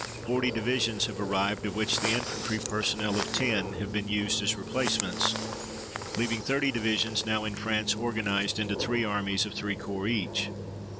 Forty divisions have arrived, of which the infantry personnel of ten have been used as replacements, leaving thirty divisions now in France organized into three armies of three corps each.